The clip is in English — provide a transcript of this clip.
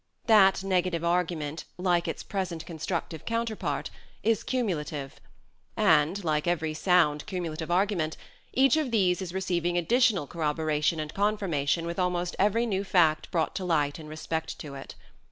That negative argument, like its present constructive counterpart, is cumulative ; and, like every sound THE STRATFORDIAN VIEW 25 cumulative argument, each of these is receiving additional corroboration and confirmation with almost every new fact brought to light in respect to it.